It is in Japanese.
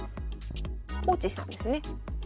放置したんですね。